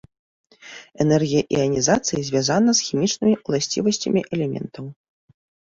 Энергія іанізацыі звязана з хімічнымі ўласцівасцямі элементаў.